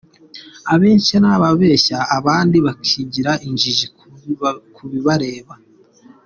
Abenshi ni ababeshya abandi bakigira injiji ku bibareba.